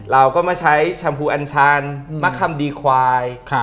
เราก็มาใช้แชมพูอันชันมะคำดีควาย